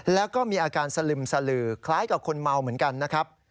แล้วก็มีอาการสลึมสลือคล้ายกับคนเมาเหมือนกันนะครับ